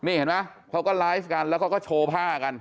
นี่เห็นไหมเขาก็ไลฟ์กันแล้วเขาก็โชว์ผ้ากัน